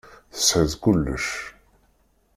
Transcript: Tesεiḍ kullec.